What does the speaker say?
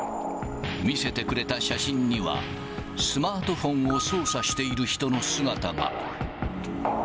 見せてくれた写真には、スマートフォンを操作している人の姿が。